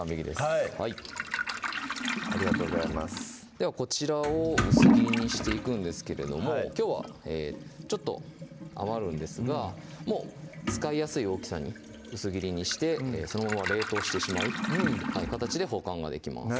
はいありがとうございますではこちらを薄切りにしていくんですけれどもきょうはちょっと余るんですが使いやすい大きさに薄切りにしてそのまま冷凍してしまう形で保管ができます